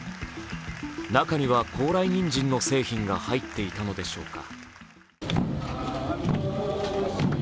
中には高麗人参の製品が入っていたのでしょうか。